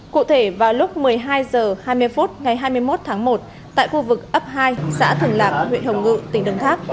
cụ thể vào lúc một mươi hai h hai mươi phút ngày hai mươi một tháng một tại khu vực ấp hai xã thường lạc huyện hồng ngự tỉnh đồng tháp